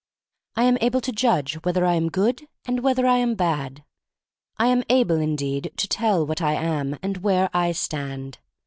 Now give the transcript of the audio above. I am able to judge whether I am good and whether I am bad. I am able, indeed, to tell what I am and where I stand.